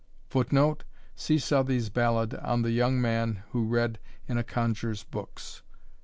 [Footnote: See Southey's Ballad on the Young Man who read in a Conjuror's Books.